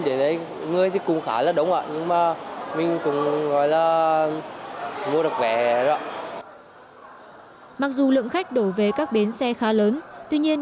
tuy nhiên người dân cũng không gặp nhiều khó khăn trong việc mua vé giá vé tăng so với ngày thường